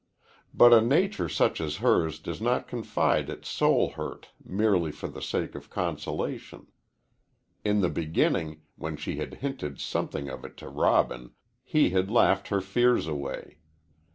But a nature such as hers does not confide its soul hurt merely for the sake of consolation. In the beginning, when she had hinted something of it to Robin, he had laughed her fears away.